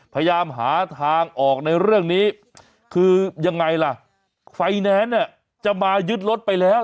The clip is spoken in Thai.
พยายามหาทางออกในเรื่องนี้คือยังไงล่ะไฟแนนซ์เนี่ยจะมายึดรถไปแล้ว